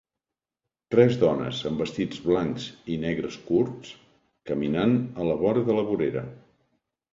Tres dones amb vestits blancs i negres curts caminant a la vora de la vorera.